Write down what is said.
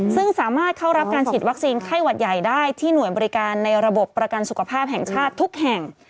ซึ่งสามารถเข้ารับการฉีดวัคซีนไข้หวัดใหญ่ได้ที่หน่วยบริการในระบบประกันสุขภาพแห่งชาติทุกแห่ง